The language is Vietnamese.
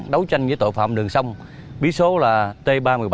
đấu tranh với tội phạm đường sông bí số là t ba trăm một mươi bảy